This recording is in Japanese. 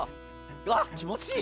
うわっ気持ちいい。